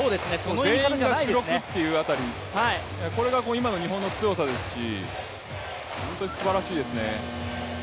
全員が主力という辺りこれが今の日本の強さですし本当にすばらしいですね。